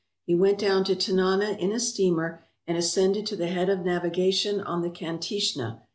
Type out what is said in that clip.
He went down to Tanana in a steamer and ascended to the head of navigation on the Kantishna.